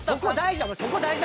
そこ大事。